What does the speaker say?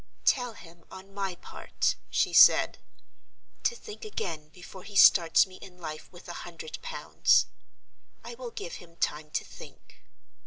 "Tell him, on my part," she said, "to think again before he starts me in life with a hundred pounds. I will give him time to think."